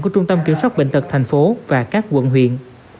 của trung tâm kiểm soát bệnh tật thành phố và các quận huyện